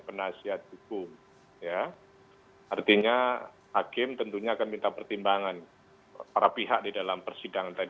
penasihat hukum ya artinya hakim tentunya akan minta pertimbangan para pihak di dalam persidangan